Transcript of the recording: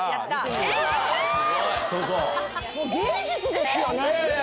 芸術ですよね。